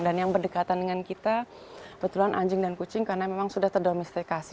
dan yang berdekatan dengan kita kebetulan anjing dan kucing karena memang sudah terdomestikasi